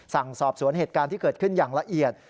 สั่งสอบสวนเหตุการณ์ที่เกิดขึ้นอย่างละเอียด